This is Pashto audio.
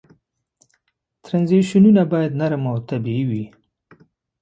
ترنزیشنونه باید نرم او طبیعي وي.